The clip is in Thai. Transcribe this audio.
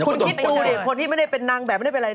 คิดดูเดียวคนที่ไม่ได้เป็นนังแบบไม่ได้เป็นไร